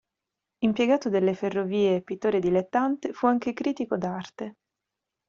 Impiegato delle ferrovie e pittore dilettante, fu anche critico d'arte.